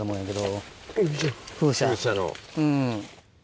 うん。